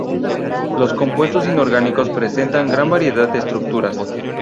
Los compuestos inorgánicos presentan gran variedad de estructuras.